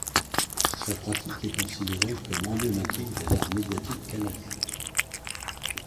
Sa pratique est considérée comme emblématique des arts médiatiques canadiens.